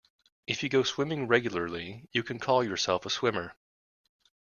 If you go swimming regularly, you can call yourself a swimmer.